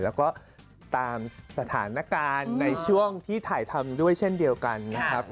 แล้วก็ตามสถานการณ์ในช่วงที่ถ่ายทำด้วยเช่นเดียวกันนะครับ